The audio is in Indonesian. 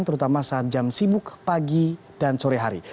terutama saat jam sibuk pagi dan sore hari